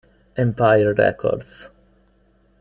Empire Records